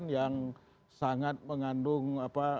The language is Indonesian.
yang sangat mengandung